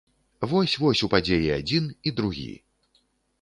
Вось-вось упадзе і адзін і другі.